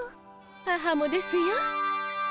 母もですよ。